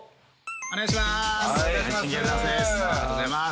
お願いします